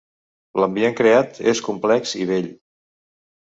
L'ambient creat és complex i bell.